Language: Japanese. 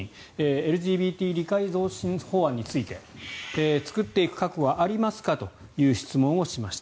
ＬＧＢＴ理解増進法案について作っていく覚悟はありますかという質問をしました。